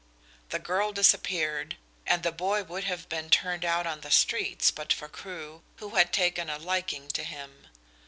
The girl disappeared, and the boy would have been turned out on the streets but for Crewe, who had taken a liking to him.